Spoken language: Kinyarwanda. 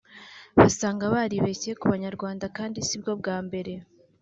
Basanga baribeshye ku banyarwanda kandi sibwo bwa mbere